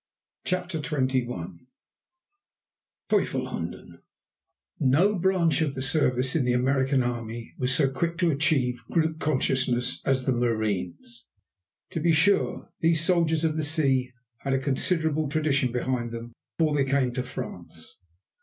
CHAPTER XXI TEUFEL HUNDEN No branch of service in the American Army was so quick to achieve group consciousness as the marines. To be sure, these soldiers of the sea had a considerable tradition behind them before they came to France.